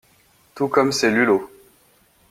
Tout comme C'est Lulo!